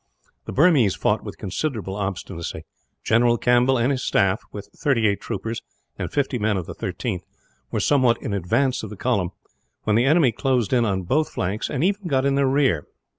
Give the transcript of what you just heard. The Burmese fought with considerable obstinacy. General Campbell and his staff, with thirty eight troopers and fifty men of the 13th, were somewhat in advance of the column; when the enemy closed in on both flanks, and even got in their rear.